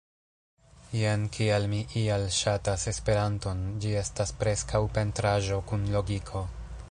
Jen kial mi ial ŝatas Esperanton ĝi estas preskaŭ pentraĵo kun logiko